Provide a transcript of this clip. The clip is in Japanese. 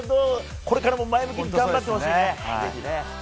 これからも前向きに頑張ってほしいですね。